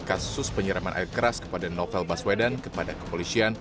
kasus penyiraman air keras kepada novel baswedan kepada kepolisian